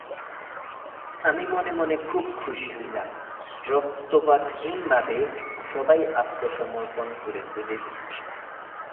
আমি মনে মনে খুব খুশি হলাম, রক্তপাতহীনভাবে সবাই আত্মসমর্পণ করছে ভেবে।